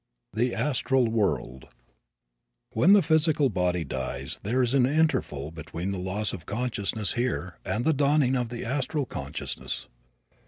THE ASTRAL WORLD When the physical body dies there is an interval between the loss of consciousness here and the dawning of the astral consciousness.